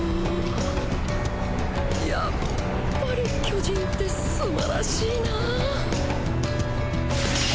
やっぱり巨人って素晴しいな。